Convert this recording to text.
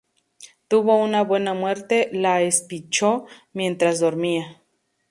Tuvo una buena muerte, la espichó mientras dormía